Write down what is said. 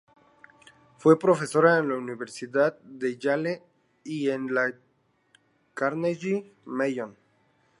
Fue profesora en la Universidad de Yale y en la Carnegie Mellon.